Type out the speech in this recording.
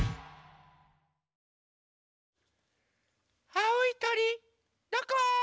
あおいとりどこ？